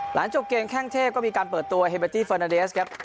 หลังจบเกมแข้งเทพก็มีการเปิดตัวเฮเบตี้เฟอร์นาเดสครับ